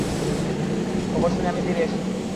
খবর শুনে আমি ফিরে এসেছি।